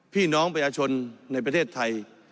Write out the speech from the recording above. พี่น้องประชาชนในประเทศไทย